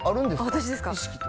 私ですか？